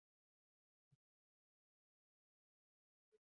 আর, ভারতবর্ষ কোনোখানে স্থান পাইল না!